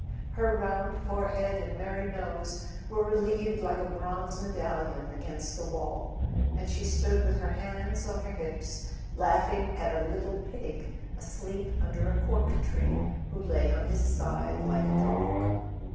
Her round forehead and merry nose were relieved like a bronze medallion against the wall; and she stood with her hands on her hips, laughing at [ 47 ] A SON AT THE FRONT a little pig asleep under a cork tree, who lay on his side like a dog.